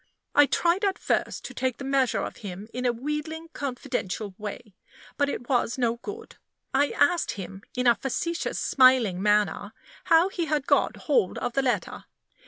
I tried at first to take the measure of him in a wheedling, confidential way; but it was no good. I asked him, in a facetious, smiling manner, how he had got hold of the letter.